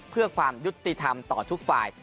เพื่อความยุติธรรมต่อทุกฝ่าย